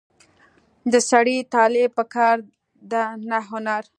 د سړي طالع په کار ده نه هنر.